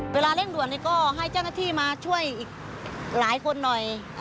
เร่งด่วนก็ให้เจ้าหน้าที่มาช่วยอีกหลายคนหน่อย